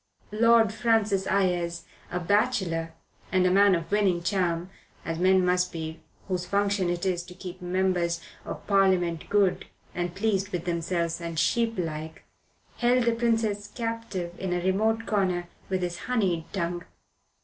Lord Francis Ayres, a bachelor and a man of winning charm, as men must be whose function it is to keep Members of Parliament good and pleased with themselves and sheeplike, held the Princess captive, in a remote corner, with his honeyed tongue.